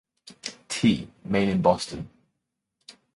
T. Main in Boston.